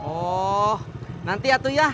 oh nanti ya tuh ya